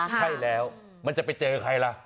ใช่แล้วมันจะไปเจอใครล่ะ